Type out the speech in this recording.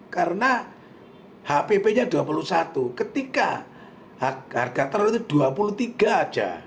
karena hpp nya rp dua puluh satu ketika harga telur itu rp dua puluh tiga aja